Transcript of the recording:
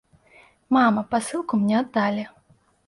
Мама, пасылку мне аддалі.